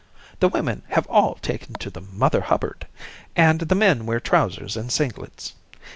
The women have all taken to the Mother Hubbard, and the men wear trousers and singlets.